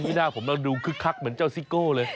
ไม่น่าผมแล้วดูคึกคักเหมือนเจ้าซิโก้เลย